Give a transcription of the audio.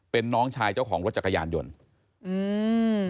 เป็นน้องชายเจ้าของรถจักรยานยนต์อืม